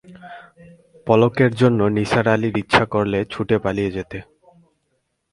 পলকের জন্যে নিসার আলির ইচ্ছা করল ছুটে পালিয়ে যেতে।